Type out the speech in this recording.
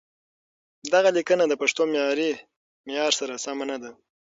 دغه ليکنه د پښتو معيار سره سمه نه ده.